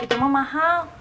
itu mah mahal